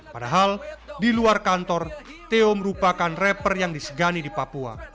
padahal di luar kantor theo merupakan rapper yang disegani di papua